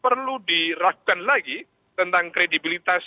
perlu diragukan lagi tentang kredibilitas